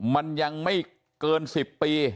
มันยังไม่เกิน๑๐ปี